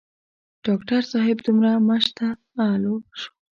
ډاکټر صاحب دومره مشتعل شو.